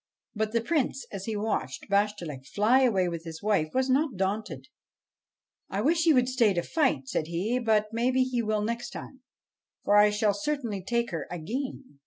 But the Prince, as he watched Bashtchelik fly away with his wife, was not daunted. ' I wish he would stay to fight, said he ; 'but maybe he will next time, for I shall certainly take her again.'